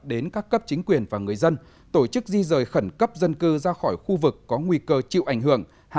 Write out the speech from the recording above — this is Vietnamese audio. đến các cấp chính quyền và người dân tổ chức di rời khẩn cấp dân cư ra khỏi khu vực có nguy cơ chịu ảnh hưởng